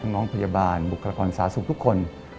น้องพยาบาลบุคลากรสาสุขทุกคน